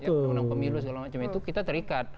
undang undang pemilu segala macam itu kita terikat